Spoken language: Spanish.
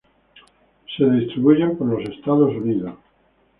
Se distribuyen por los Estados Unidos.